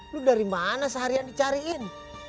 lu dari mana seharian dicariin